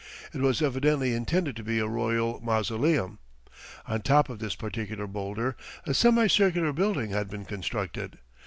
It was evidently intended to be a Royal Mausoleum. On top of this particular boulder a semicircular building had been constructed.